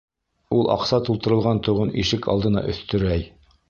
Ул аҡса тултырылған тоғон ишек алдына өҫтөрәй.